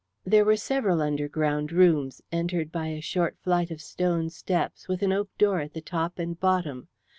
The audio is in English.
There were several underground rooms, entered by a short flight of stone steps, with an oak door at the top and bottom.